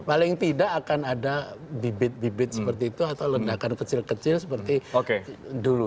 paling tidak akan ada bibit bibit seperti itu atau ledakan kecil kecil seperti dulu